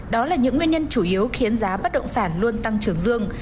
đó là những nguyên nhân chủ yếu khiến giá bất động sản luôn tăng trưởng dương